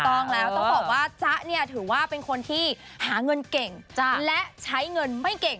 ต้องแล้วต้องบอกว่าจ๊ะเนี่ยถือว่าเป็นคนที่หาเงินเก่งและใช้เงินไม่เก่ง